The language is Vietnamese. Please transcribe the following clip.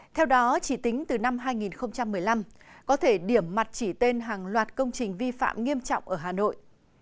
theo đó chỉ tính từ năm hai nghìn một mươi năm có thể điểm mặt chỉ tên hàng loạt công trình vi phạm nghiêm trọng ở hà nội